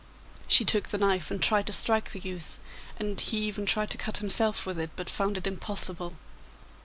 She took the knife and tried to strike the youth, and he even tried to cut himself with it, but found it impossible.